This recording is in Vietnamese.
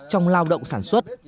trong lao động sản xuất